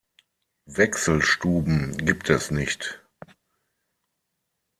Wechselstuben gibt es nicht.